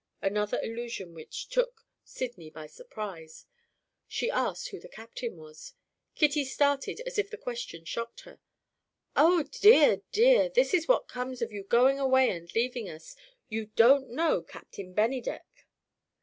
Another allusion which took Sydney by surprise! She asked who the Captain was. Kitty started as if the question shocked her. "Oh dear, dear, this is what comes of your going away and leaving us! You don't know Captain Bennydeck."